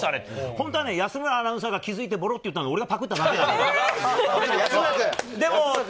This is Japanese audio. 本当は安村アナウンサーが気づいてポロッと言ったら、僕がパクッたんだけれどもね。